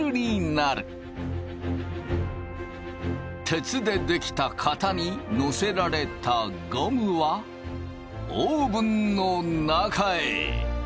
鉄で出来た型に載せられたゴムはオーブンの中へ。